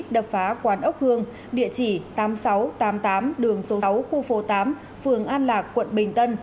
đập phá quán ốc hương địa chỉ tám nghìn sáu trăm tám mươi tám đường số sáu khu phố tám phường an lạc quận bình tân